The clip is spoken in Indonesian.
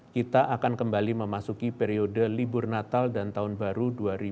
kita akan kembali memasuki periode libur natal dan tahun baru dua ribu dua puluh